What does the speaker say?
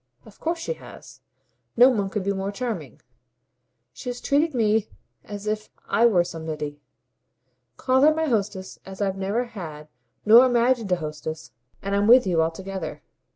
"Of course she has. No one could be more charming. She has treated me as if I were somebody. Call her my hostess as I've never had nor imagined a hostess, and I'm with you altogether.